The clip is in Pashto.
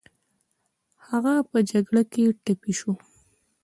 هغه په جګړه کې ټپي شو